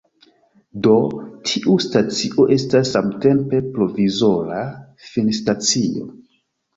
Do, tiu stacio estas samtempe provizora finstacio.